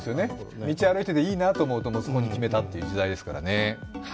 道、歩いてて、いいなと思ったらそこに決めたという時代ですからね。